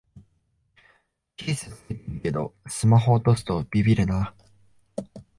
ケース付けてるけどスマホ落とすとビビるな